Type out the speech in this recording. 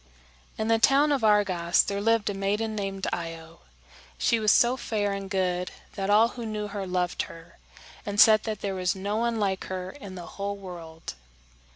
In the town of Argos there lived a maiden named Io. She was so fair and good that all who knew her loved her, and said that there was no one like her in the whole world.